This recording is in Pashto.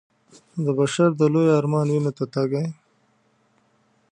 د بشر د لوی ارمان وينو ته تږی